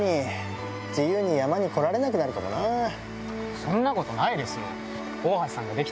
そんなことないですよ。